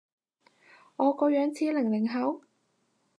我個樣似零零後？